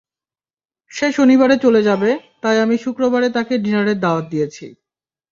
সে শনিবারে চলে যাবে, তাই আমি শুক্রবারে তাকে ডিনারের দাওয়াত দিয়েছি।